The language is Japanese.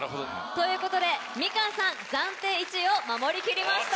ということでみかんさん暫定１位を守り切りました。